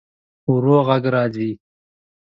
ورو غږ راغی.